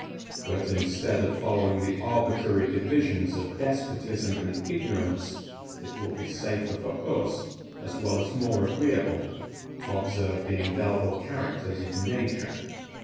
But, instead of following the arbitrary divisions of despotism and ignorance, it will be safer for us, as well as more agreeable, to observe the indelible characters of nature.